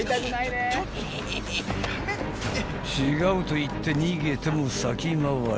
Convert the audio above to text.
［違うと言って逃げても先回り］